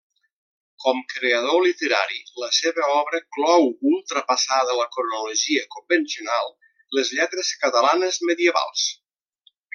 Com creador literari la seva obra clou, ultrapassada la cronologia convencional, les lletres catalanes medievals.